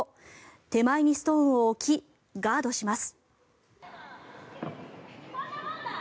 手前にストーンを置きガードします。